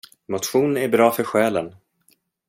Motion är bra för själen.